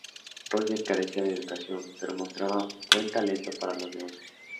Roger carecía de educación, pero mostraba buen talento para los negocios.